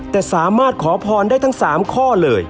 แต่สามารถขอพรได้ทั้ง๓ข้อเลย